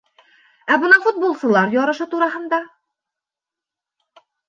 — Ә бына футболсылар ярышы тураһында?